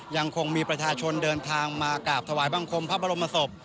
ยังคงมีประชาชนเดินทางมากราบถวายบังคมพระบรมศพ